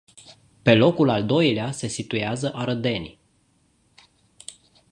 Pe locul al doilea se situează arădenii.